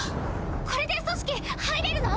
これで組織入れるの？